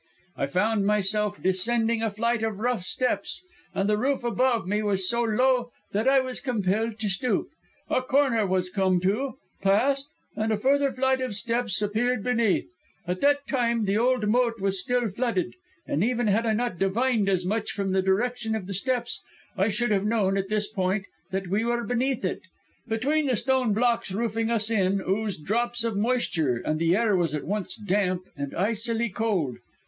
"I found myself descending a flight of rough steps, and the roof above me was so low that I was compelled to stoop. A corner was come to, passed, and a further flight of steps appeared beneath. At that time the old moat was still flooded, and even had I not divined as much from the direction of the steps, I should have known, at this point, that we were beneath it. Between the stone blocks roofing us in oozed drops of moisture, and the air was at once damp and icily cold.